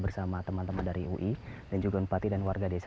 dan sekarang kita sedang berkoordinasi dengan pihak warga kota desa